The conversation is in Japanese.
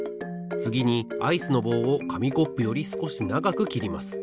つぎにアイスの棒をかみコップよりすこしながくきります。